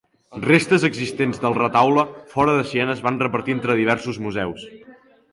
Restes existents del retaule fora de Siena es van repartir entre diversos museus.